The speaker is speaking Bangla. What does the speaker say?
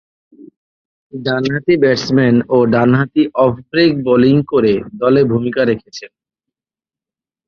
ডানহাতি ব্যাটসম্যান ও ডানহাতি অফ ব্রেক বোলিং করে দলে ভূমিকা রেখেছেন।